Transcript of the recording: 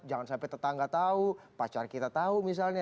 jangan sampai tetangga tahu pacar kita tahu misalnya